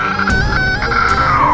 aku melakukan itu